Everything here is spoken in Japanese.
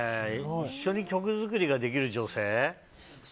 一緒に曲作りができる女性？